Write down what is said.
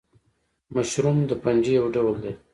مشروم د فنجي یو ډول دی